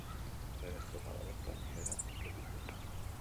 Lehen estropada bertan behera gelditu da.